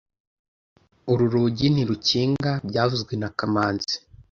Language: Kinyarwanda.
Uru rugi ntirukinga byavuzwe na kamanzi